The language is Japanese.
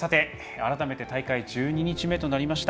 改めて大会１２日目となりました。